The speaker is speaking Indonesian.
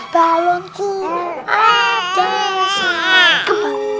balonku ada satu